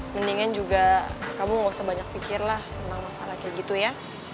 mendingan juga kamu gak usah banyak pikir lah tentang masalah kayak gitu ya